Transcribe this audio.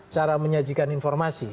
cara menyajikan informasi